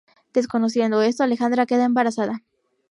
Desconociendo esto, Alejandra queda embarazada.